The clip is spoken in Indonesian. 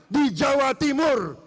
di jawa timur